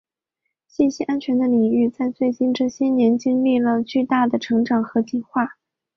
信息安全的领域在最近这些年经历了巨大的成长和进化。